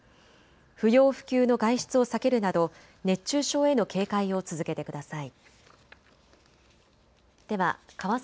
不要不急の外出を避けるなど熱中症への警戒を続けてください。